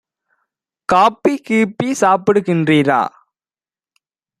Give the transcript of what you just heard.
copy கீப்பி சாப்பிடு கின்றீரா